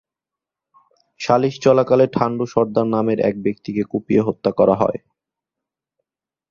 সালিস চলাকালে ঠান্ডু সরদার নামের এক ব্যক্তিকে কুপিয়ে হত্যা করা হয়।